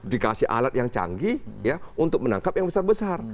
dikasih alat yang canggih untuk menangkap yang besar besar